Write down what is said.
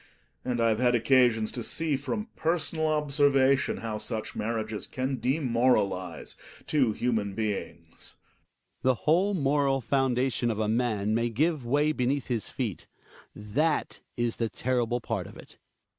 And I have had occasions to see. 100 THE WILD DUCK, from personal observation, how such marriages can demoralize two human beings. Hjalmar. The whole moral foundation of a man may give way beneath his feet; that is the terrible part of it.